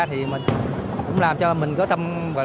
thì cũng làm cho mình có tâm